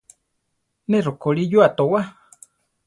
Ne rokorí yua towá.